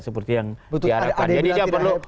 seperti yang diharapkan jadi dia perlu